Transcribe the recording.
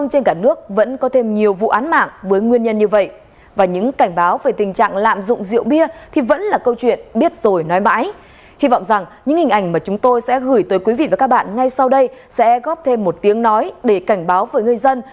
rồi quý vị và các bạn ngay sau đây sẽ góp thêm một tiếng nói để cảnh báo với người dân